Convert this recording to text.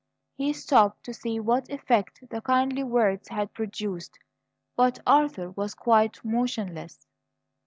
He stopped to see what effect the kindly words had produced; but Arthur was quite motionless.